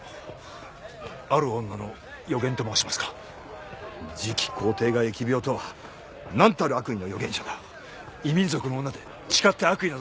ある女の予言と申しますか次期皇帝が疫病とはなんたる悪意の予言者だ異民族の女で誓って悪意などございません